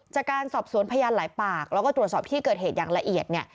จากการสอบสวนพยานหลายปากแล้วก็ตรวจสอบที่เกิดเหตุอย่างละเอียดเนี่ย